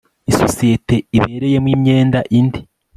isosiyete ibereyemo imyenda indi